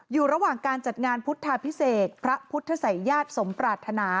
อยู่ระหว่างการจัดงานพุทธาพิเศษพระพุทธศัยญาติสมปรารถนา